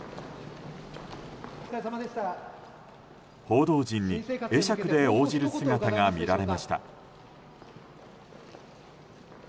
報道陣に会釈で応じる姿が見られました。